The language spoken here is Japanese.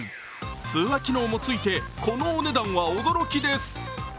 通話機能もついてこのお値段は驚きです。